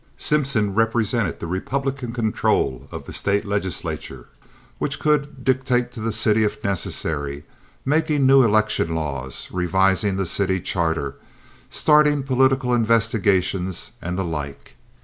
Simpson represented the Republican control of the State legislature, which could dictate to the city if necessary, making new election laws, revising the city charter, starting political investigations, and the like.